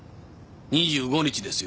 ２５日ですよ。